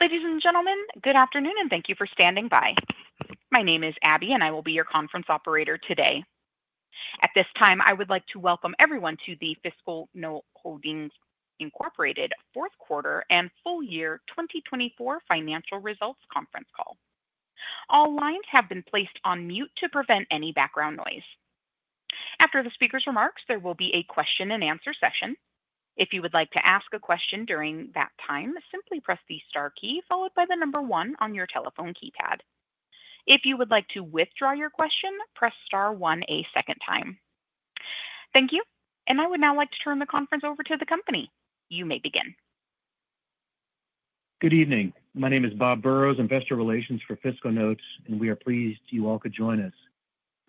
Ladies and gentlemen, good afternoon, and thank you for standing by. My name is Abby, and I will be your conference operator today. At this time, I would like to welcome everyone to the FiscalNote Holdings Fourth Quarter and Full Year 2024 Financial Results Conference Call. All lines have been placed on mute to prevent any background noise. After the speaker's remarks, there will be a question-and-answer session. If you would like to ask a question during that time, simply press the star key followed by the number one on your telephone keypad. If you would like to withdraw your question, press star one a second time. Thank you, and I would now like to turn the conference over to the company. You may begin. Good evening. My name is Bob Burrows, Investor Relations for FiscalNote, and we are pleased you all could join us.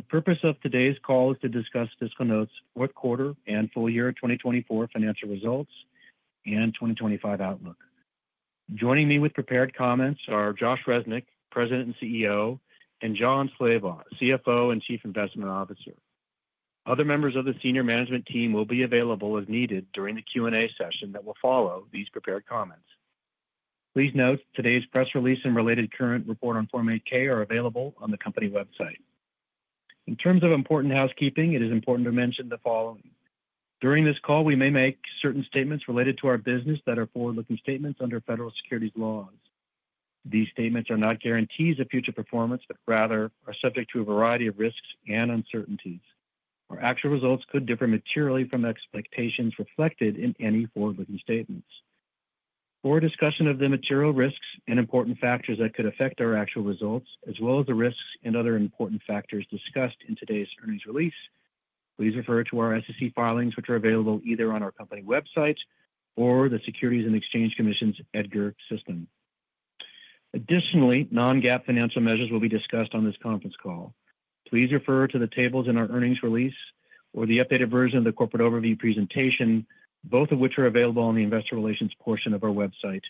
The purpose of today's call is to discuss FiscalNote's fourth quarter and full year 2024 financial results and 2025 outlook. Joining me with prepared comments are Josh Resnik, President and CEO, and Jon Slabaugh, CFO and Chief Investment Officer. Other members of the senior management team will be available as needed during the Q&A session that will follow these prepared comments. Please note today's press release and related current report on Form 8-K are available on the company website. In terms of important housekeeping, it is important to mention the following. During this call, we may make certain statements related to our business that are forward-looking statements under federal securities laws. These statements are not guarantees of future performance, but rather are subject to a variety of risks and uncertainties. Our actual results could differ materially from expectations reflected in any forward-looking statements. For discussion of the material risks and important factors that could affect our actual results, as well as the risks and other important factors discussed in today's earnings release, please refer to our SEC filings, which are available either on our company website or the Securities and Exchange Commission's EDGAR system. Additionally, non-GAAP financial measures will be discussed on this conference call. Please refer to the tables in our earnings release or the updated version of the corporate overview presentation, both of which are available on the Investor Relations portion of our website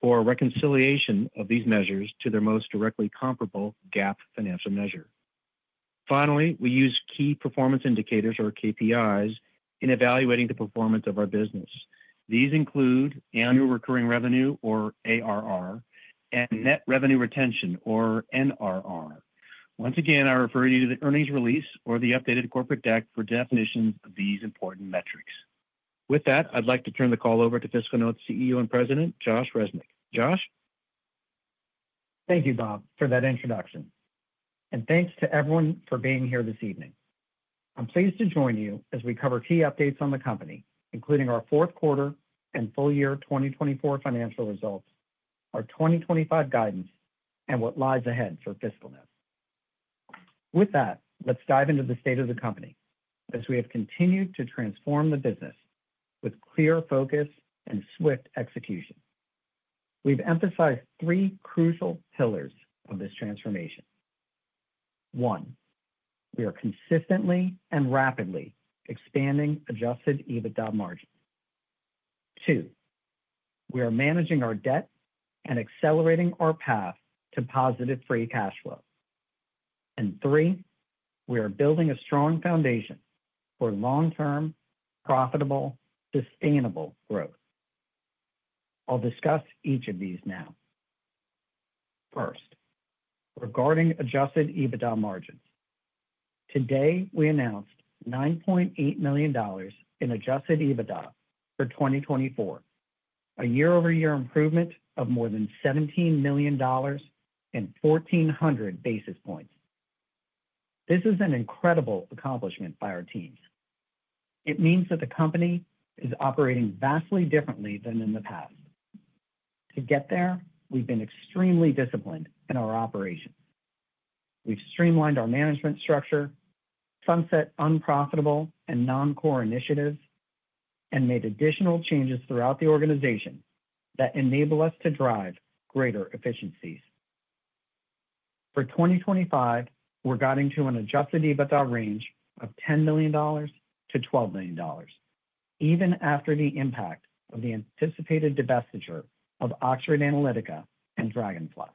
for reconciliation of these measures to their most directly comparable GAAP financial measure. Finally, we use key performance indicators, or KPIs, in evaluating the performance of our business. These include annual recurring revenue, or ARR, and net revenue retention, or NRR. Once again, I refer you to the earnings release or the updated corporate deck for definitions of these important metrics. With that, I'd like to turn the call over to FiscalNote's CEO and President, Josh Resnik. Josh? Thank you, Bob, for that introduction. Thanks to everyone for being here this evening. I'm pleased to join you as we cover key updates on the company, including our fourth quarter and full year 2024 financial results, our 2025 guidance, and what lies ahead for FiscalNote. With that, let's dive into the state of the company as we have continued to transform the business with clear focus and swift execution. We've emphasized three crucial pillars of this transformation. One, we are consistently and rapidly expanding adjusted EBITDA margins. Two, we are managing our debt and accelerating our path to positive free cash flow. Three, we are building a strong foundation for long-term, profitable, sustainable growth. I'll discuss each of these now. First, regarding adjusted EBITDA margins. Today, we announced $9.8 million in adjusted EBITDA for 2024, a year-over-year improvement of more than $17 million and 1,400 basis points. This is an incredible accomplishment by our teams. It means that the company is operating vastly differently than in the past. To get there, we've been extremely disciplined in our operations. We've streamlined our management structure, sunset unprofitable and non-core initiatives, and made additional changes throughout the organization that enable us to drive greater efficiencies. For 2025, we're guiding to an adjusted EBITDA range of $10 million-$12 million, even after the impact of the anticipated divestiture of Oxford Analytica and Dragonfly Intelligence.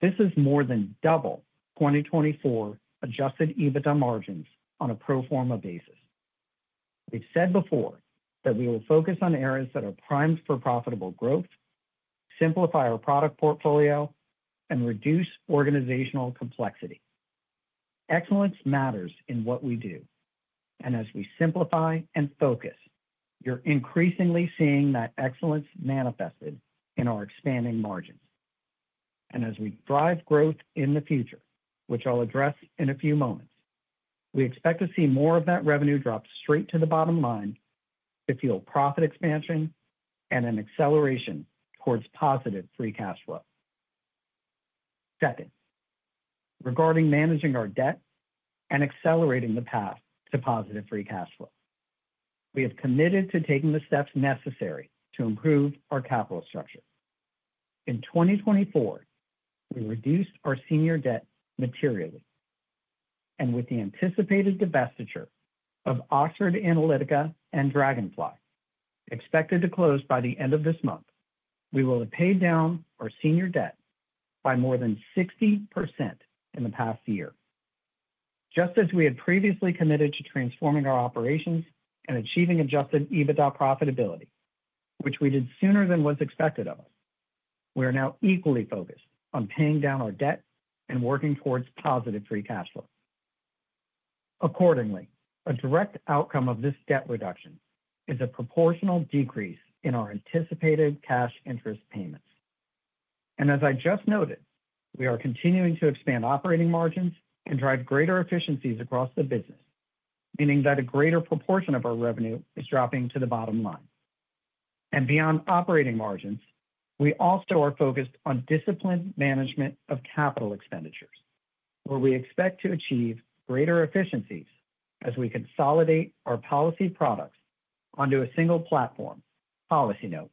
This is more than double 2024 adjusted EBITDA margins on a pro forma basis. We've said before that we will focus on areas that are primed for profitable growth, simplify our product portfolio, and reduce organizational complexity. Excellence matters in what we do, and as we simplify and focus, you're increasingly seeing that excellence manifested in our expanding margins. As we drive growth in the future, which I'll address in a few moments, we expect to see more of that revenue drop straight to the bottom line to fuel profit expansion and an acceleration towards positive free cash flow. Second, regarding managing our debt and accelerating the path to positive free cash flow, we have committed to taking the steps necessary to improve our capital structure. In 2024, we reduced our senior debt materially. With the anticipated divestiture of Oxford Analytica and Dragonfly, expected to close by the end of this month, we will have paid down our senior debt by more than 60% in the past year. Just as we had previously committed to transforming our operations and achieving adjusted EBITDA profitability, which we did sooner than was expected of us, we are now equally focused on paying down our debt and working towards positive free cash flow. Accordingly, a direct outcome of this debt reduction is a proportional decrease in our anticipated cash interest payments. As I just noted, we are continuing to expand operating margins and drive greater efficiencies across the business, meaning that a greater proportion of our revenue is dropping to the bottom line. Beyond operating margins, we also are focused on disciplined management of capital expenditures, where we expect to achieve greater efficiencies as we consolidate our policy products onto a single platform, PolicyNote,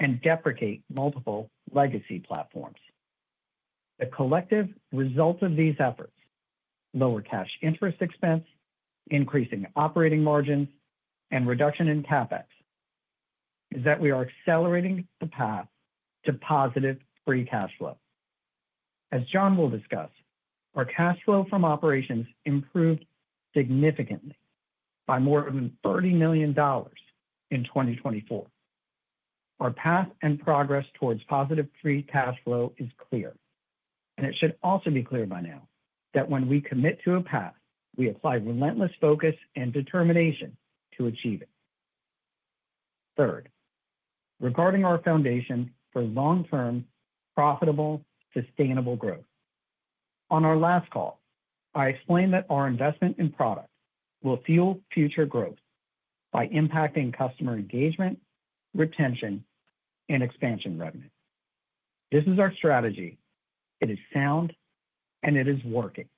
and deprecate multiple legacy platforms. The collective result of these efforts—lower cash interest expense, increasing operating margins, and reduction in CapEx—is that we are accelerating the path to positive free cash flow. As Jon will discuss, our cash flow from operations improved significantly by more than $30 million in 2024. Our path and progress towards positive free cash flow is clear, and it should also be clear by now that when we commit to a path, we apply relentless focus and determination to achieve it. Third, regarding our foundation for long-term, profitable, sustainable growth. On our last call, I explained that our investment in product will fuel future growth by impacting customer engagement, retention, and expansion revenue. This is our strategy. It is sound, and it is working.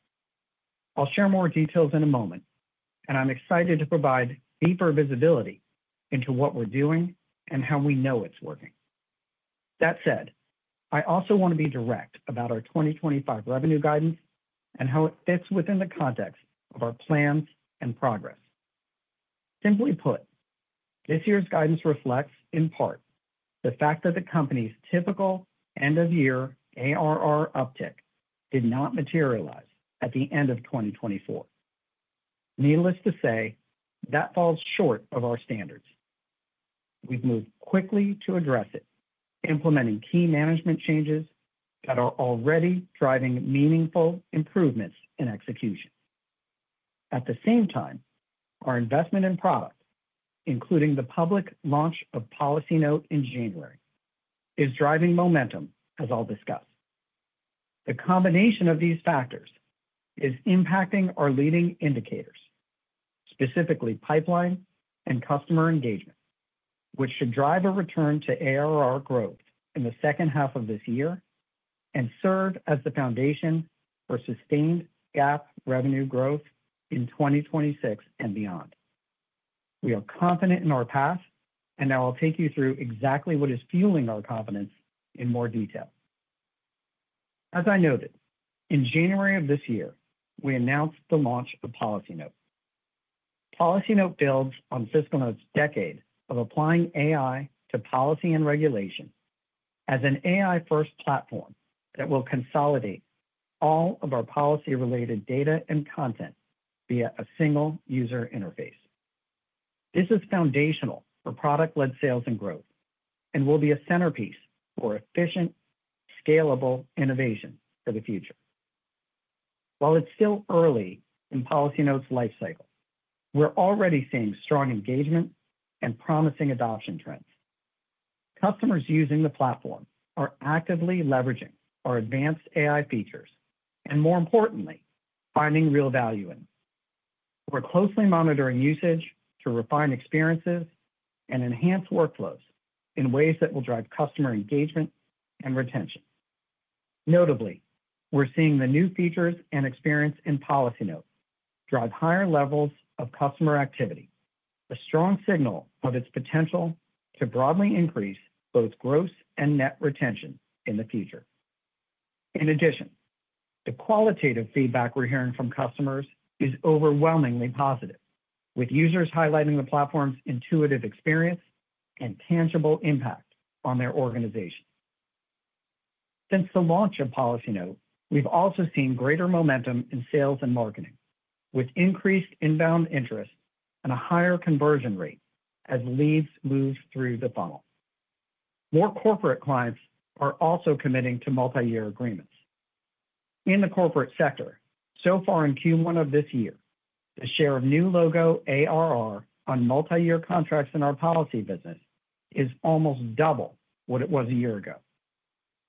I'll share more details in a moment, and I'm excited to provide deeper visibility into what we're doing and how we know it's working. That said, I also want to be direct about our 2025 revenue guidance and how it fits within the context of our plans and progress. Simply put, this year's guidance reflects, in part, the fact that the company's typical end-of-year ARR uptick did not materialize at the end of 2024. Needless to say, that falls short of our standards. We've moved quickly to address it, implementing key management changes that are already driving meaningful improvements in execution. At the same time, our investment in product, including the public launch of PolicyNote in January, is driving momentum, as I'll discuss. The combination of these factors is impacting our leading indicators, specifically pipeline and customer engagement, which should drive a return to ARR growth in the second half of this year and serve as the foundation for sustained GAAP revenue growth in 2026 and beyond. We are confident in our path, and now I'll take you through exactly what is fueling our confidence in more detail. As I noted, in January of this year, we announced the launch of PolicyNote. PolicyNote builds on FiscalNote's decade of applying AI to policy and regulation as an AI-first platform that will consolidate all of our policy-related data and content via a single user interface. This is foundational for product-led sales and growth and will be a centerpiece for efficient, scalable innovation for the future. While it's still early in PolicyNote's lifecycle, we're already seeing strong engagement and promising adoption trends. Customers using the platform are actively leveraging our advanced AI features and, more importantly, finding real value in them. We're closely monitoring usage to refine experiences and enhance workflows in ways that will drive customer engagement and retention. Notably, we're seeing the new features and experience in PolicyNote drive higher levels of customer activity, a strong signal of its potential to broadly increase both gross and net retention in the future. In addition, the qualitative feedback we're hearing from customers is overwhelmingly positive, with users highlighting the platform's intuitive experience and tangible impact on their organization. Since the launch of PolicyNote, we've also seen greater momentum in sales and marketing, with increased inbound interest and a higher conversion rate as leads move through the funnel. More corporate clients are also committing to multi-year agreements. In the corporate sector, so far in Q1 of this year, the share of new logo ARR on multi-year contracts in our policy business is almost double what it was a year ago.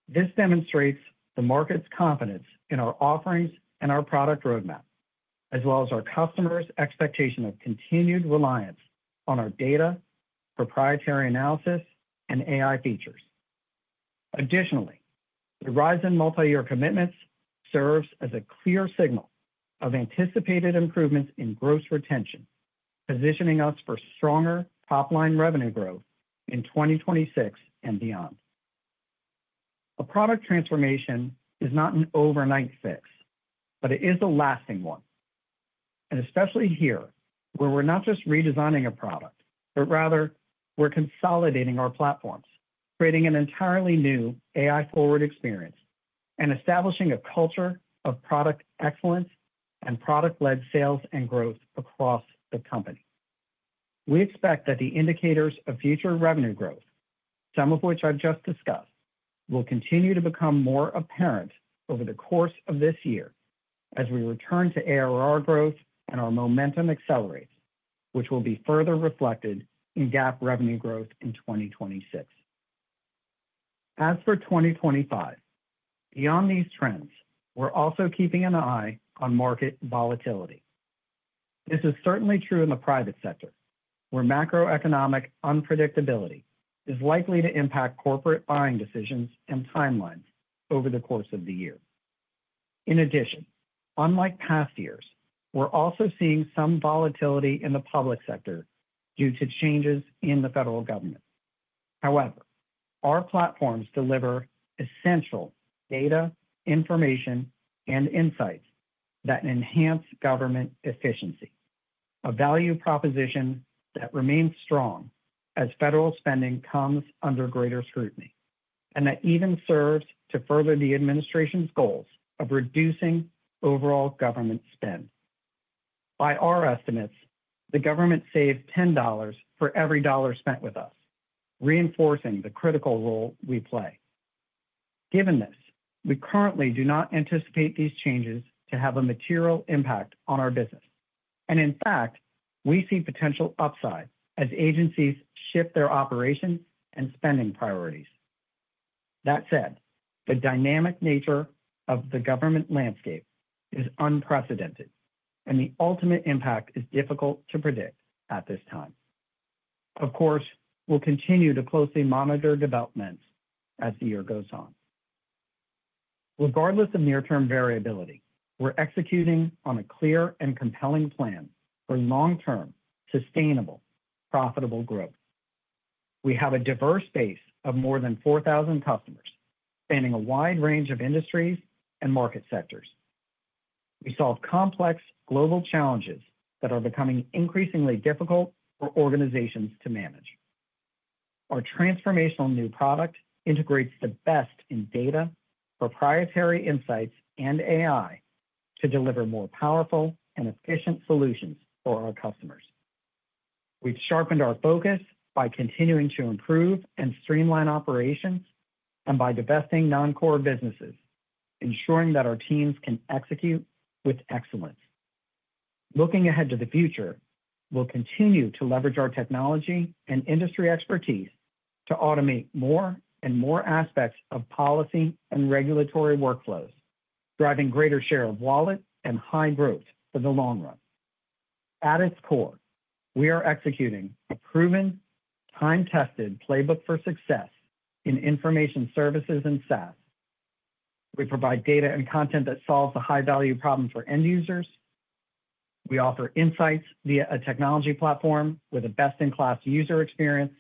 This demonstrates the market's confidence in our offerings and our product roadmap, as well as our customers' expectation of continued reliance on our data, proprietary analysis, and AI features. Additionally, the rise in multi-year commitments serves as a clear signal of anticipated improvements in gross retention, positioning us for stronger top-line revenue growth in 2026 and beyond. A product transformation is not an overnight fix, but it is a lasting one. Especially here, where we're not just redesigning a product, but rather we're consolidating our platforms, creating an entirely new AI-forward experience, and establishing a culture of product excellence and product-led sales and growth across the company. We expect that the indicators of future revenue growth, some of which I've just discussed, will continue to become more apparent over the course of this year as we return to ARR growth and our momentum accelerates, which will be further reflected in GAAP revenue growth in 2026. As for 2025, beyond these trends, we're also keeping an eye on market volatility. This is certainly true in the private sector, where macroeconomic unpredictability is likely to impact corporate buying decisions and timelines over the course of the year. In addition, unlike past years, we're also seeing some volatility in the public sector due to changes in the federal government. However, our platforms deliver essential data, information, and insights that enhance government efficiency, a value proposition that remains strong as federal spending comes under greater scrutiny, and that even serves to further the administration's goals of reducing overall government spend. By our estimates, the government saves $10 for every dollar spent with us, reinforcing the critical role we play. Given this, we currently do not anticipate these changes to have a material impact on our business. In fact, we see potential upside as agencies shift their operations and spending priorities. That said, the dynamic nature of the government landscape is unprecedented, and the ultimate impact is difficult to predict at this time. Of course, we'll continue to closely monitor developments as the year goes on. Regardless of near-term variability, we're executing on a clear and compelling plan for long-term, sustainable, profitable growth. We have a diverse base of more than 4,000 customers spanning a wide range of industries and market sectors. We solve complex global challenges that are becoming increasingly difficult for organizations to manage. Our transformational new product integrates the best in data, proprietary insights, and AI to deliver more powerful and efficient solutions for our customers. We have sharpened our focus by continuing to improve and streamline operations and by divesting non-core businesses, ensuring that our teams can execute with excellence. Looking ahead to the future, we will continue to leverage our technology and industry expertise to automate more and more aspects of policy and regulatory workflows, driving greater share of wallet and high growth for the long run. At its core, we are executing a proven, time-tested playbook for success in information services and SaaS. We provide data and content that solves a high-value problem for end users. We offer insights via a technology platform with a best-in-class user experience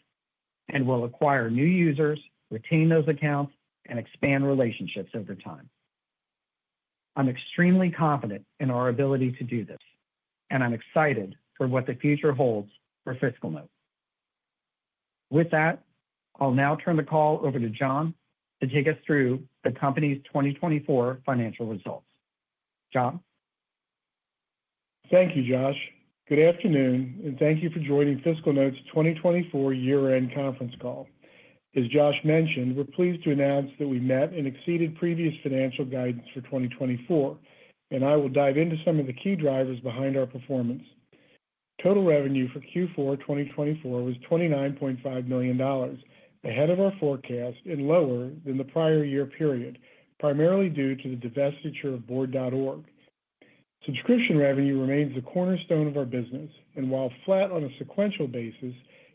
and will acquire new users, retain those accounts, and expand relationships over time. I'm extremely confident in our ability to do this, and I'm excited for what the future holds for FiscalNote. With that, I'll now turn the call over to Jon to take us through the company's 2024 financial results. Jon? Thank you, Josh. Good afternoon, and thank you for joining FiscalNote's 2024 year-end conference call. As Josh mentioned, we're pleased to announce that we met and exceeded previous financial guidance for 2024, and I will dive into some of the key drivers behind our performance. Total revenue for Q4 2024 was $29.5 million ahead of our forecast and lower than the prior year period, primarily due to the divestiture of Board.org. Subscription revenue remains the cornerstone of our business, and while flat on a sequential basis,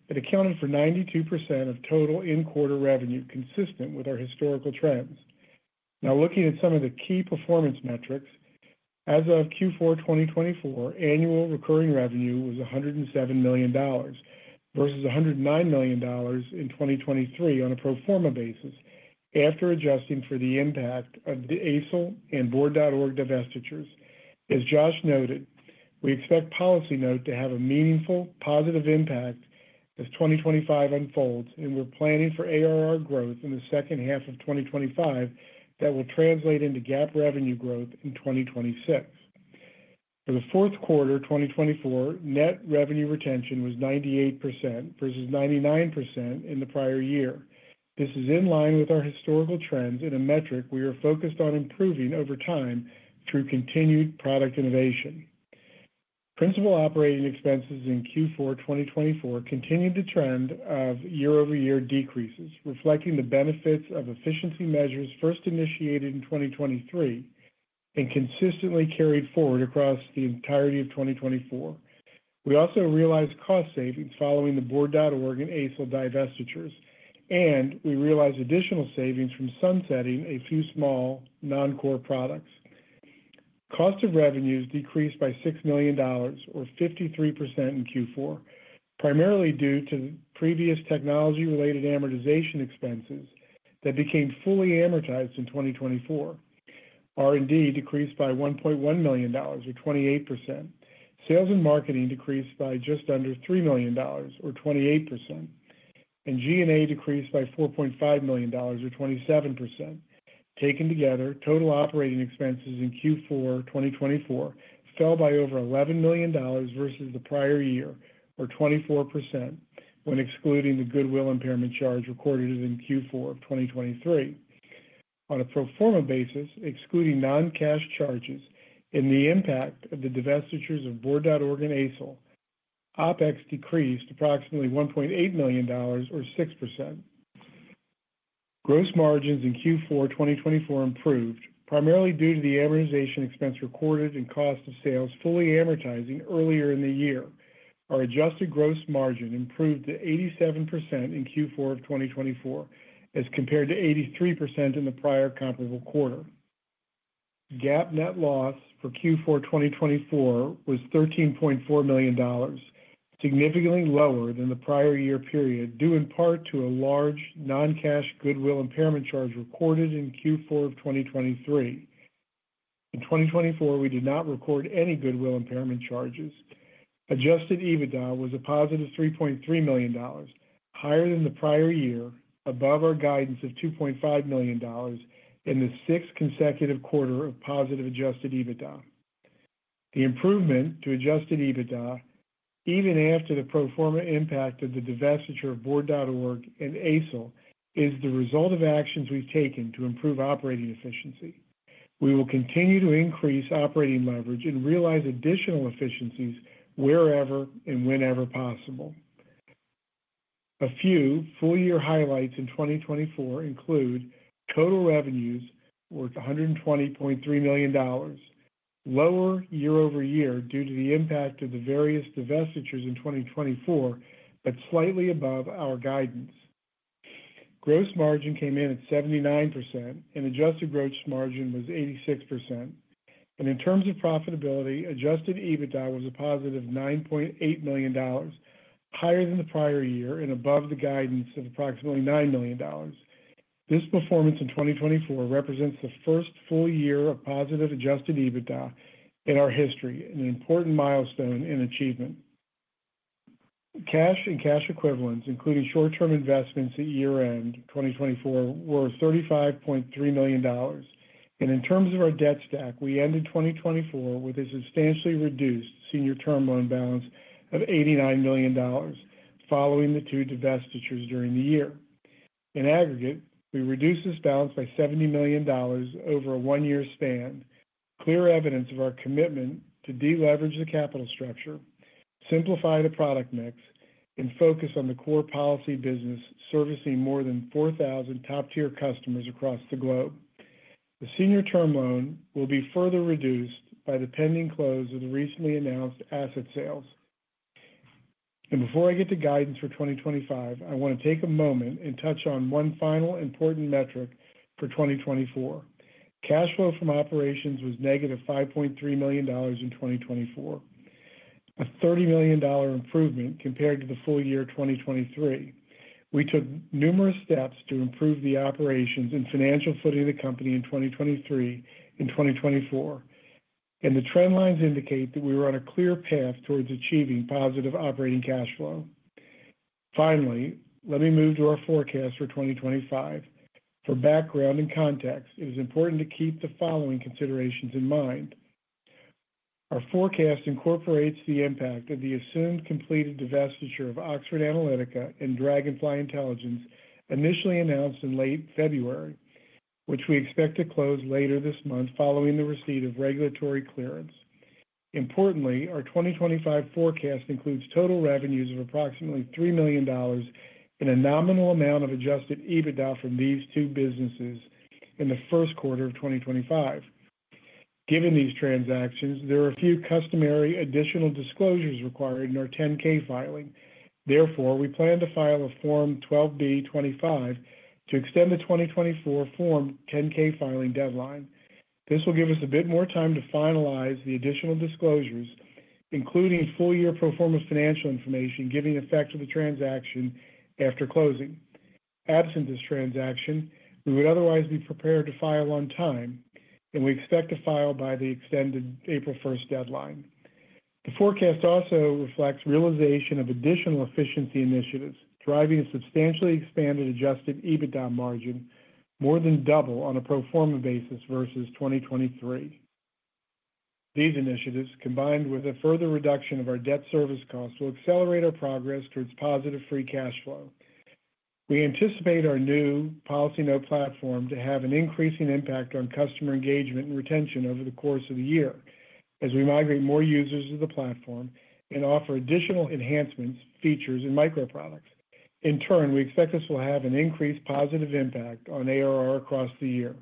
it accounted for 92% of total in-quarter revenue, consistent with our historical trends. Now, looking at some of the key performance metrics, as of Q4 2024, annual recurring revenue was $107 million versus $109 million in 2023 on a pro forma basis after adjusting for the impact of the Aicel and Board.org divestitures. As Josh noted, we expect PolicyNote to have a meaningful, positive impact as 2025 unfolds, and we're planning for ARR growth in the second half of 2025 that will translate into GAAP revenue growth in 2026. For the fourth quarter 2024, net revenue retention was 98% versus 99% in the prior year. This is in line with our historical trends in a metric we are focused on improving over time through continued product innovation. Principal operating expenses in Q4 2024 continued to trend of year-over-year decreases, reflecting the benefits of efficiency measures first initiated in 2023 and consistently carried forward across the entirety of 2024. We also realized cost savings following the Board.org and Aicel divestitures, and we realized additional savings from sunsetting a few small non-core products. Cost of revenues decreased by $6 million, or 53% in Q4, primarily due to previous technology-related amortization expenses that became fully amortized in 2024. R&D decreased by $1.1 million, or 28%. Sales and marketing decreased by just under $3 million, or 28%. G&A decreased by $4.5 million, or 27%. Taken together, total operating expenses in Q4 2024 fell by over $11 million versus the prior year, or 24%, when excluding the goodwill impairment charge recorded in Q4 of 2023. On a pro forma basis, excluding non-cash charges and the impact of the divestitures of Board.org and Aicel, OpEx decreased approximately $1.8 million, or 6%. Gross margins in Q4 2024 improved, primarily due to the amortization expense recorded and cost of sales fully amortizing earlier in the year. Our adjusted gross margin improved to 87% in Q4 of 2024 as compared to 83% in the prior comparable quarter. GAAP net loss for Q4 2024 was $13.4 million, significantly lower than the prior year period due in part to a large non-cash goodwill impairment charge recorded in Q4 of 2023. In 2024, we did not record any goodwill impairment charges. Adjusted EBITDA was a +$3.3 million, higher than the prior year, above our guidance of $2.5 million in the sixth consecutive quarter of positive adjusted EBITDA. The improvement to adjusted EBITDA, even after the pro forma impact of the divestiture of Board.org and Aicel, is the result of actions we've taken to improve operating efficiency. We will continue to increase operating leverage and realize additional efficiencies wherever and whenever possible. A few full-year highlights in 2024 include total revenues worth $120.3 million, lower year-over-year due to the impact of the various divestitures in 2024, but slightly above our guidance. Gross margin came in at 79%, and adjusted gross margin was 86%. In terms of profitability, adjusted EBITDA was a positive $9.8 million, higher than the prior year and above the guidance of approximately $9 million. This performance in 2024 represents the first full year of positive adjusted EBITDA in our history, an important milestone and achievement. Cash and cash equivalents, including short-term investments at year-end 2024, were $35.3 million. In terms of our debt stack, we ended 2024 with a substantially reduced senior term loan balance of $89 million following the two divestitures during the year. In aggregate, we reduced this balance by $70 million over a one-year span, clear evidence of our commitment to deleverage the capital structure, simplify the product mix, and focus on the core policy business servicing more than 4,000 top-tier customers across the globe. The senior term loan will be further reduced by the pending close of the recently announced asset sales. Before I get to guidance for 2025, I want to take a moment and touch on one final important metric for 2024. Cash flow from operations was -$5.3 million in 2024, a $30 million improvement compared to the full year 2023. We took numerous steps to improve the operations and financial footing of the company in 2023 and 2024. The trend lines indicate that we were on a clear path towards achieving positive operating cash flow. Finally, let me move to our forecast for 2025. For background and context, it is important to keep the following considerations in mind. Our forecast incorporates the impact of the assumed completed divestiture of Oxford Analytica and Dragonfly Intelligence, initially announced in late February, which we expect to close later this month following the receipt of regulatory clearance. Importantly, our 2025 forecast includes total revenues of approximately $3 million and a nominal amount of adjusted EBITDA from these two businesses in the first quarter of 2025. Given these transactions, there are a few customary additional disclosures required in our 10-K filing. Therefore, we plan to file a Form 12B-25 to extend the 2024 Form 10-K filing deadline. This will give us a bit more time to finalize the additional disclosures, including full-year pro forma financial information giving effect to the transaction after closing. Absent this transaction, we would otherwise be prepared to file on time, and we expect to file by the extended April 1 deadline. The forecast also reflects realization of additional efficiency initiatives, driving a substantially expanded adjusted EBITDA margin more than double on a pro forma basis versus 2023. These initiatives, combined with a further reduction of our debt service costs, will accelerate our progress towards positive free cash flow. We anticipate our new PolicyNote platform to have an increasing impact on customer engagement and retention over the course of the year as we migrate more users to the platform and offer additional enhancements, features, and microproducts. In turn, we expect this will have an increased positive impact on ARR across the year,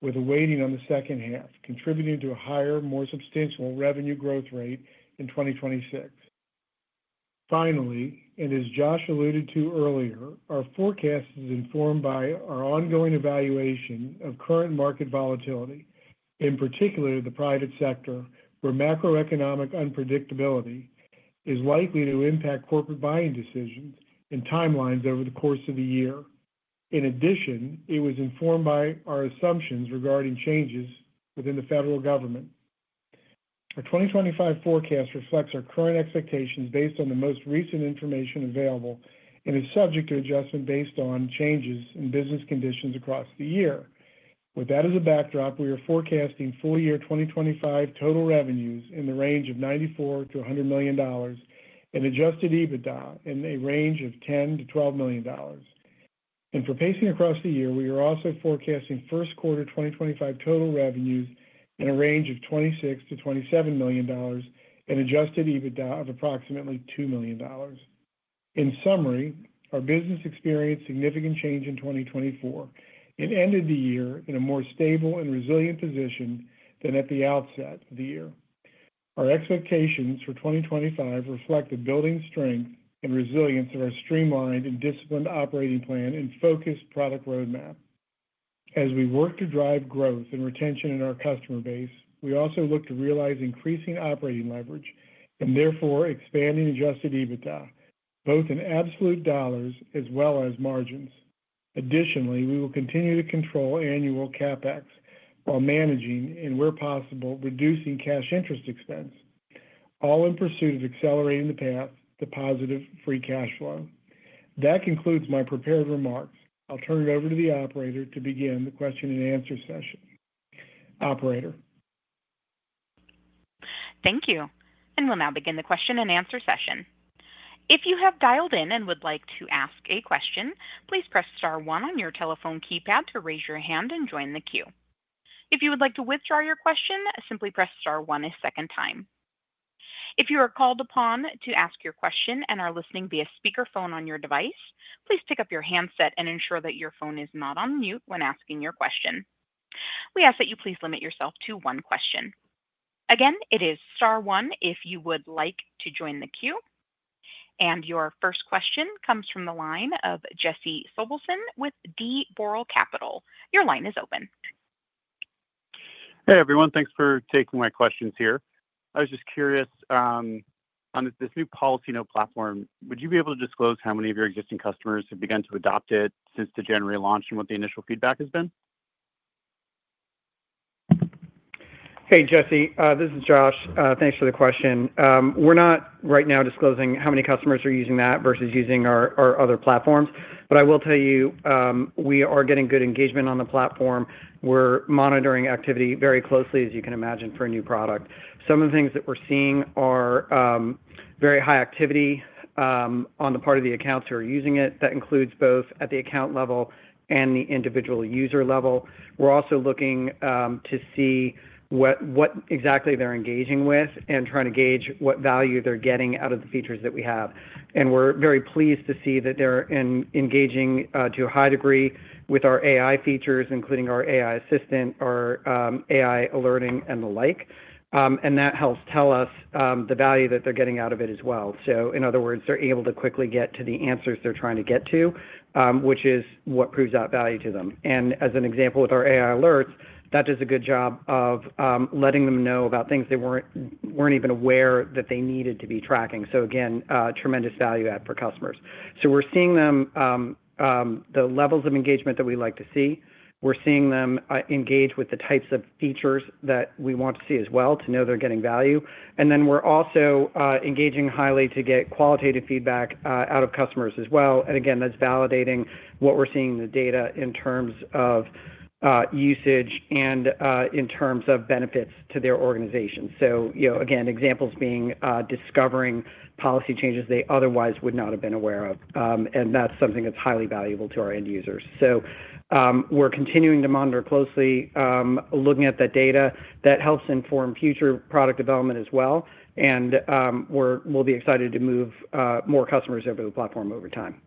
with a weighting on the second half, contributing to a higher, more substantial revenue growth rate in 2026. Finally, and as Josh alluded to earlier, our forecast is informed by our ongoing evaluation of current market volatility, in particular the private sector, where macroeconomic unpredictability is likely to impact corporate buying decisions and timelines over the course of the year. In addition, it was informed by our assumptions regarding changes within the federal government. Our 2025 forecast reflects our current expectations based on the most recent information available and is subject to adjustment based on changes in business conditions across the year. With that as a backdrop, we are forecasting full-year 2025 total revenues in the range of $94 million-$100 million and adjusted EBITDA in a range of $10 million-$12 million. For pacing across the year, we are also forecasting first quarter 2025 total revenues in a range of $26 million-$27 million and adjusted EBITDA of approximately $2 million. In summary, our business experienced significant change in 2024 and ended the year in a more stable and resilient position than at the outset of the year. Our expectations for 2025 reflect the building strength and resilience of our streamlined and disciplined operating plan and focused product roadmap. As we work to drive growth and retention in our customer base, we also look to realize increasing operating leverage and therefore expanding adjusted EBITDA, both in absolute dollars as well as margins. Additionally, we will continue to control annual CapEx while managing, and where possible, reducing cash interest expense, all in pursuit of accelerating the path to positive free cash flow. That concludes my prepared remarks. I'll turn it over to the operator to begin the question and answer session. Operator. Thank you. We'll now begin the question-and-answer session. If you have dialed in and would like to ask a question, please press star one on your telephone keypad to raise your hand and join the queue. If you would like to withdraw your question, simply press star one a second time. If you are called upon to ask your question and are listening via speakerphone on your device, please pick up your handset and ensure that your phone is not on mute when asking your question. We ask that you please limit yourself to one question. Again, it is star one if you would like to join the queue. Your first question comes from the line of Jesse Sobelson with D. Boral Capital. Your line is open. Hey, everyone. Thanks for taking my questions here. I was just curious, on this new PolicyNote platform, would you be able to disclose how many of your existing customers have begun to adopt it since the January launch and what the initial feedback has been? Hey, Jesse. This is Josh. Thanks for the question. We're not right now disclosing how many customers are using that versus using our other platforms. I will tell you, we are getting good engagement on the platform. We're monitoring activity very closely, as you can imagine, for a new product. Some of the things that we're seeing are very high activity on the part of the accounts who are using it. That includes both at the account level and the individual user level. We're also looking to see what exactly they're engaging with and trying to gauge what value they're getting out of the features that we have. We are very pleased to see that they are engaging to a high degree with our AI features, including our AI assistant, our AI alerting, and the like. That helps tell us the value that they are getting out of it as well. In other words, they are able to quickly get to the answers they are trying to get to, which is what proves that value to them. As an example, with our AI alerts, that does a good job of letting them know about things they were not even aware that they needed to be tracking. Tremendous value add for customers. We are seeing the levels of engagement that we like to see. We are seeing them engage with the types of features that we want to see as well to know they are getting value. We're also engaging highly to get qualitative feedback out of customers as well. Again, that's validating what we're seeing in the data in terms of usage and in terms of benefits to their organization. Examples being discovering policy changes they otherwise would not have been aware of. That's something that's highly valuable to our end users. We're continuing to monitor closely, looking at that data. That helps inform future product development as well. We'll be excited to move more customers over the platform over time.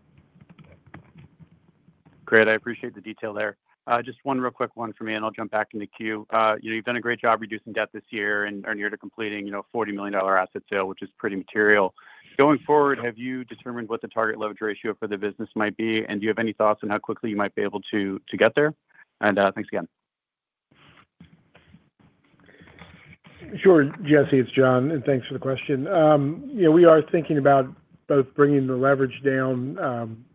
Great. I appreciate the detail there. Just one real quick one for me, and I'll jump back in the queue. You've done a great job reducing debt this year and are near to completing a $40 million asset sale, which is pretty material. Going forward, have you determined what the target leverage ratio for the business might be, and do you have any thoughts on how quickly you might be able to get there? Thanks again. Sure. Jesse, it's Jon, and thanks for the question. We are thinking about both bringing the leverage down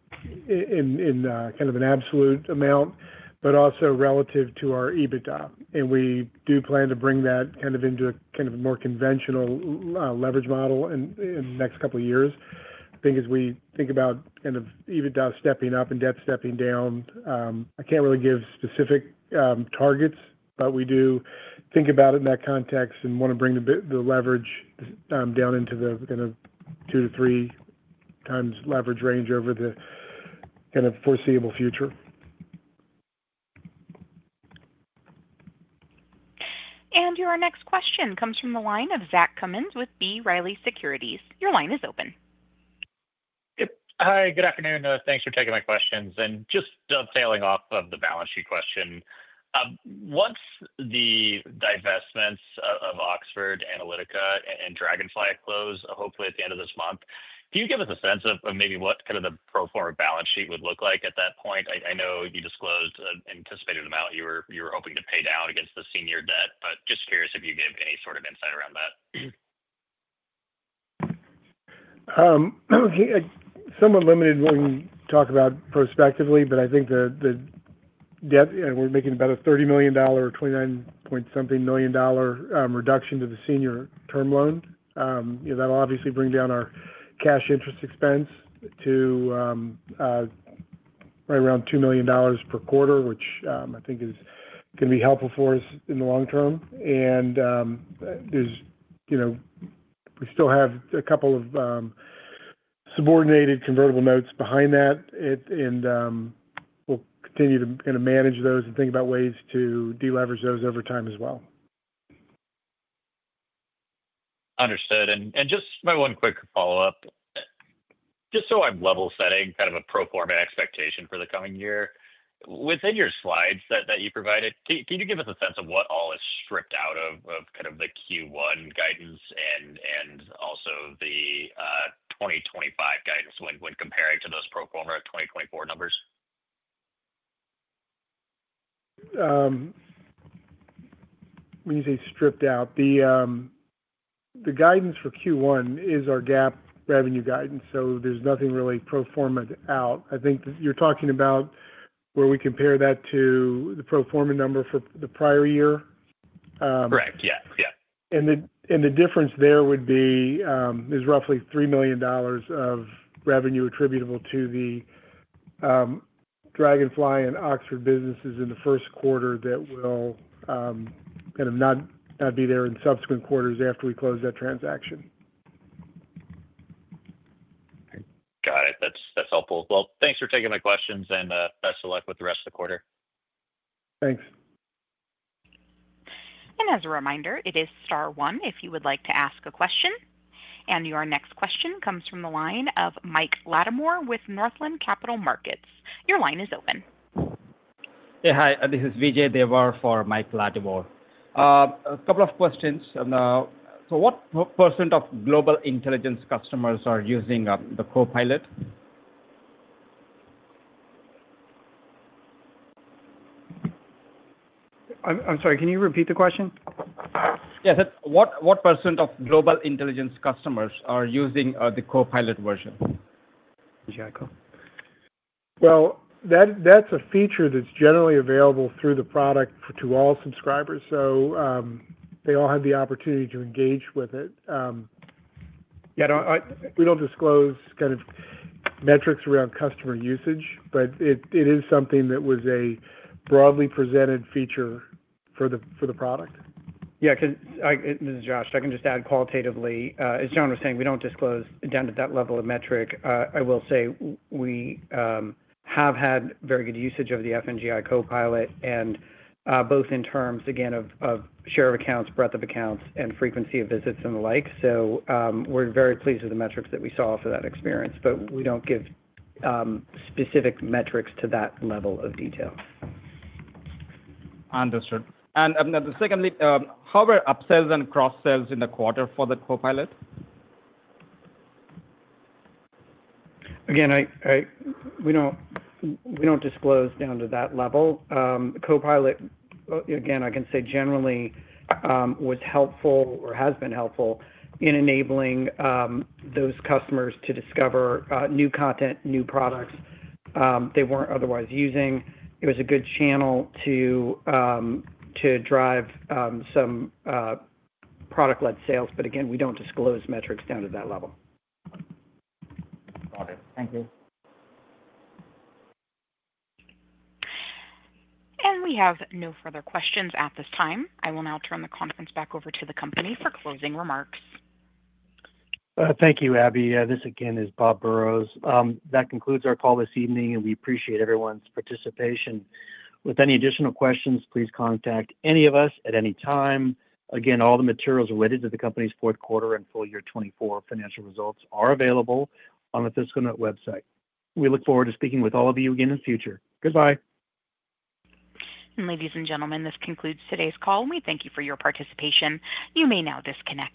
in kind of an absolute amount, but also relative to our EBITDA. We do plan to bring that into a more conventional leverage model in the next couple of years. I think as we think about EBITDA stepping up and debt stepping down, I can't really give specific targets, but we do think about it in that context and want to bring the leverage down into the 2x-3x leverage range over the foreseeable future. Your next question comes from the line of Zach Cummins with B. Riley Securities. Your line is open. Hi. Good afternoon. Thanks for taking my questions. Just sailing off of the balance sheet question, once the divestments of Oxford Analytica and Dragonfly close, hopefully at the end of this month, can you give us a sense of maybe what kind of the pro forma balance sheet would look like at that point? I know you disclosed an anticipated amount you were hoping to pay down against the senior debt, but just curious if you give any sort of insight around that. Somewhat limited when you talk about prospectively, but I think the debt, and we are making about a $30 million, or $29 point something million dollar reduction to the senior term loan. That'll obviously bring down our cash interest expense to right around $2 million per quarter, which I think is going to be helpful for us in the long term. We still have a couple of subordinated convertible notes behind that, and we'll continue to kind of manage those and think about ways to deleverage those over time as well. Understood. Just my one quick follow-up. Just so I'm level-setting kind of a pro forma expectation for the coming year, within your slides that you provided, can you give us a sense of what all is stripped out of kind of the Q1 guidance and also the 2025 guidance when comparing to those pro forma 2024 numbers? When you say stripped out, the guidance for Q1 is our GAAP revenue guidance. There's nothing really pro forma out. I think you're talking about where we compare that to the pro forma number for the prior year. Correct. Yeah. Yeah. The difference there would be is roughly $3 million of revenue attributable to the Dragonfly and Oxford businesses in the first quarter that will kind of not be there in subsequent quarters after we close that transaction. Got it. That's helpful. Thanks for taking my questions and best of luck with the rest of the quarter. Thanks. As a reminder, it is star one if you would like to ask a question. Your next question comes from the line of Mike Latimore with Northland Capital Markets. Your line is open. Hey, hi. This is Vijay Devar for Mike Latimore. A couple of questions. What percent of global intelligence customers are using the Copilot? I'm sorry. Can you repeat the question? Yes. What percent of global intelligence customers are using the Copilot version? That's a feature that's generally available through the product to all subscribers. They all have the opportunity to engage with it. We don't disclose kind of metrics around customer usage, but it is something that was a broadly presented feature for the product. Yeah. This is Josh. I can just add qualitatively. As Jon was saying, we don't disclose down to that level of metric. I will say we have had very good usage of the FNGI Copilot, both in terms, again, of share of accounts, breadth of accounts, and frequency of visits and the like. We are very pleased with the metrics that we saw for that experience, but we don't give specific metrics to that level of detail. Understood. Secondly, how were upsells and cross-sells in the quarter for the Copilot? Again, we do not disclose down to that level. Copilot, again, I can say generally was helpful or has been helpful in enabling those customers to discover new content, new products they were not otherwise using. It was a good channel to drive some product-led sales. Again, we do not disclose metrics down to that level. Got it. Thank you. We have no further questions at this time. I will now turn the conference back over to the company for closing remarks. Thank you, Abby. This again is Bob Burrows. That concludes our call this evening, and we appreciate everyone's participation. With any additional questions, please contact any of us at any time. Again, all the materials related to the company's fourth quarter and full year 2024 financial results are available on the FiscalNote website. We look forward to speaking with all of you again in the future. Goodbye. Ladies and gentlemen, this concludes today's call, and we thank you for your participation. You may now disconnect.